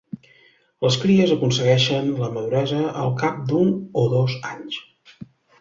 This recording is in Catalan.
Les cries aconsegueixen la maduresa al cap d'un o dos anys.